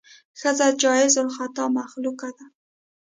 ښځه جایز الخطا مخلوقه ده.